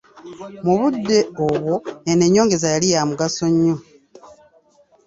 Mu budde obwo eno ennyongeza yali ya mugaso nnyo.